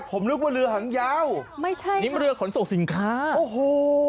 ผมนึกว่าเรือหางยาวไม่ใช่นี่เรือขนส่งสินค้าโอ้โห